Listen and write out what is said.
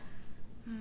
うん。